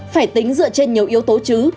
phải tính dựa trên nhiều yếu tố chứ